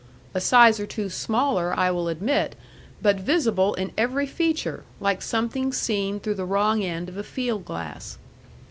A size or two smaller, I will admit, but visible in every feature, like something seen through the wrong end of a field glass.